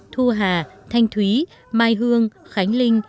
thu hà thanh thúy mai hương khánh linh